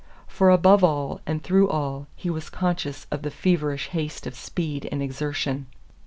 For above all and through all he was conscious of the feverish haste of speed and exertion.